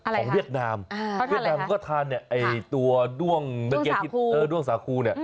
ของเวียดนามเวียดนามเขาก็ทานเนี่ยตัวด้วงสาคู